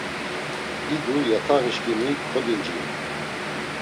İdu yatağişǩimi kodincinu.